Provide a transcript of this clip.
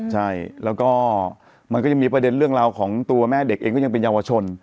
ใช่แล้วก็มันก็ยังมีประเด็นเรื่องราวของตัวแม่เด็กเองก็ยังเป็นเยาวชน